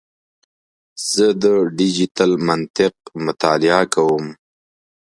زه د ډیجیټل منطق مطالعه کوم.